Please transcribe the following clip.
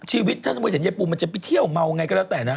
ชีวิตถ้าสมมุติเห็นยายปูมันจะไปเที่ยวเมาไงก็แล้วแต่นะ